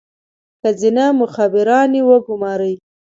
ښځینه مخبرانې وګوماري.